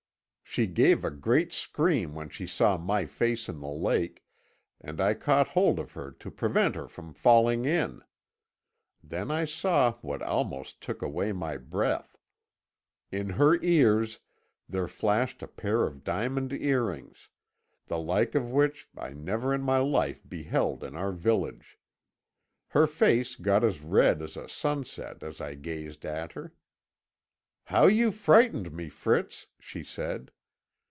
She gave a great scream when she saw my face in the lake, and I caught hold of her to prevent her from falling in. Then I saw what almost took away my breath. In her ears there flashed a pair of diamond earrings, the like of which I never in my life beheld in our village. Her face got as red as a sunset as I gazed at her. 'How you frightened me, Fritz!' she said.